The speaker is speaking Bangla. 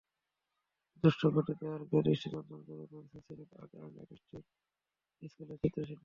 দৃষ্টিকটু দেয়ালকে দৃষ্টিনন্দন করে তুলেছে সিলেট আর্ট অ্যান্ড অটিস্টিক স্কুলের চিত্রশিল্পীরা।